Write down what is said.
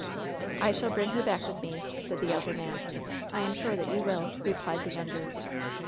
"I shall bring her back with me," said the elder man. '*I am sure tiat you will," replied the younger.